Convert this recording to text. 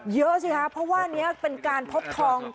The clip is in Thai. เยอะสิครับเพราะว่านี้เป็นการพบทอง